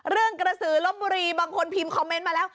กระสือลบบุรีบางคนพิมพ์คอมเมนต์มาแล้ว